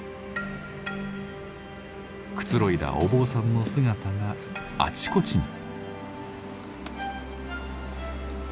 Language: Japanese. くつろいだお坊さんの姿があちこちに。